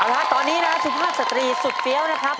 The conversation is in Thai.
เอาละตอนนี้นะสุภาพสตรีสุดเฟี้ยวนะครับ